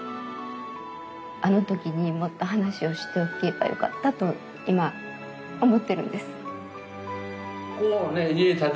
あの時にもっと話をしておけばよかったと今思ってるんです。